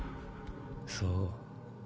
そう。